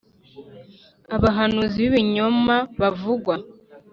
Abahanuzi b ibinyoma bavugwa